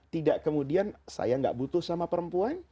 tidak kemudian saya nggak butuh sama perempuan